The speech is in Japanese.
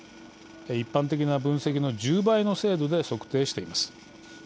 一般的な分析の１０倍の精度で測定しています。